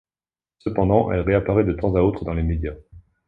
Cependant, elle réapparaît de temps à autre dans les médias.